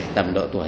tầm độ tuổi